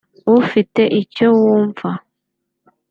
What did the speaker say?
ufite icyo wumva